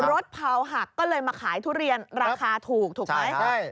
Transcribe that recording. เผาหักก็เลยมาขายทุเรียนราคาถูกถูกไหม